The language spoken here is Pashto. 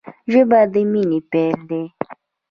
ژبه د مینې پیل دی